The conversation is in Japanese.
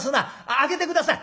開けて下さい。